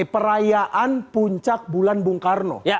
perayaan puncak bulan bung karno